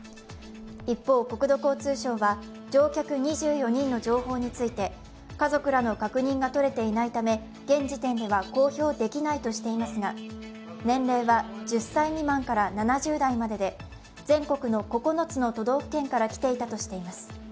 一方、国土交通省は乗客２４人の情報について、家族らの確認がとれていないため現時点では公表できないとしていますが年齢は１０歳未満から７０代までで、全国の９つの都道府県から来ていたとしています。